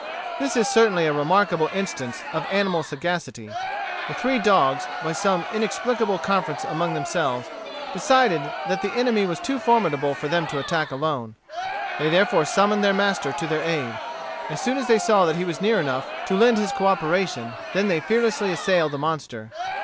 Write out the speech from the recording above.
This is certainly a remarkable instance of animal sagacity. The three dogs, by some inexplicable conference among themselves, decided that the enemy was too formidable for them to attack alone. They therefore summoned their master to their aid. As soon as they saw that he was near enough to lend his cooperation, then they fearlessly assailed the monster.